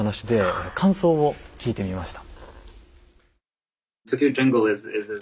感想を聞いてみました。